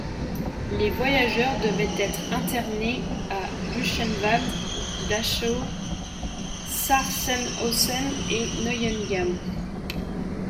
Les voyageurs devaient être internés à Buchenwald, Dachau, Sachsenhausen et Neuengamme.